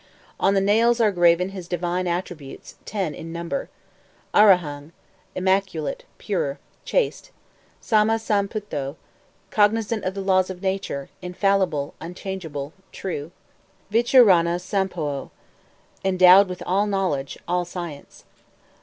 On the nails are graven his divine attributes, ten in number: 1. Arahang, Immaculate, Pure, Chaste. 2. Samma Sam Putho, Cognizant of the laws of Nature, Infallible, Unchangeable, True. 3. Vicharanah Sampanoh, Endowed with all Knowledge, all Science.